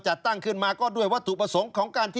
ชีวิตกระมวลวิสิทธิ์สุภาณฑ์